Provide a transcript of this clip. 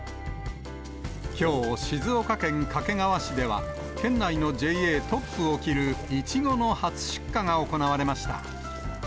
きょう、静岡県掛川市では、県内のＪＡトップを切るイチゴの初出荷が行われました。